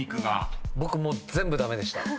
僕もう全部駄目でした。